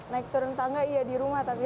naik turun tangga iya di rumah tapi